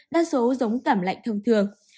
đa số giống cảm lạnh thông thường